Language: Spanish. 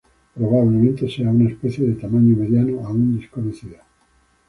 Probablemente sea una especie de tamaño mediano aún desconocida.